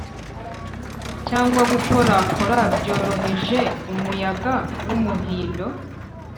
cyangwa gukorakora byoroheje umuyaga wumuhindo,